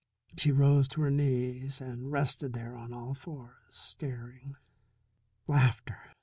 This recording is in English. She rose to her knees and rested there on all fours staring. Laughter!